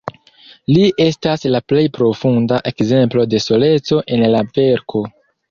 Li estas la plej profunda ekzemplo de soleco en la verko.